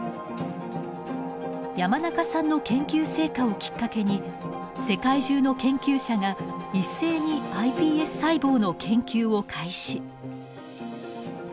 山中さんの研究成果をきっかけに世界中の研究者が一斉にｉＰＳ細胞の研究を開始。